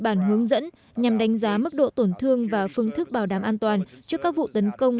bản hướng dẫn nhằm đánh giá mức độ tổn thương và phương thức bảo đảm an toàn trước các vụ tấn công